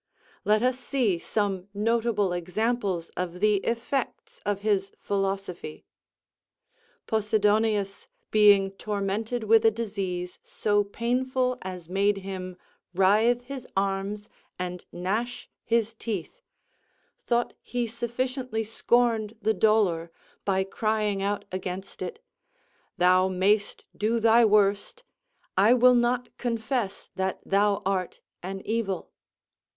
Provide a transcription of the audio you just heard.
Let us see some notable examples of the effects of his philosophy: Posidonius being tormented with a disease so painful as made him writhe his arms and gnash his teeth, thought he sufficiently scorned the dolour, by crying out against it: "Thou mayst do thy worst, I will not confess that thou art an evil."